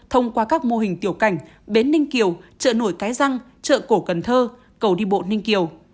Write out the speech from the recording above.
thông qua các mô hình tiểu cảnh bến ninh kiều chợ nổi cái răng chợ cổ cần thơ cầu đi bộ ninh kiều